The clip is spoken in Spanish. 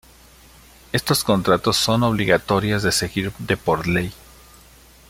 Estos contratos son obligatorias de seguir de por ley.